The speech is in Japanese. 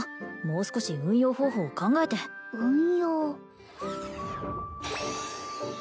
もう少し運用方法を考えて運用